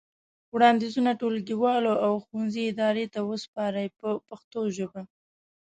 وړاندیزونه ټولګیوالو او ښوونځي ادارې ته وسپارئ په پښتو ژبه.